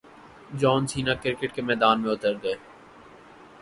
جان Cena cricket کے میدان میں اتر گئے